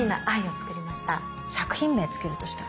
作品名付けるとしたら？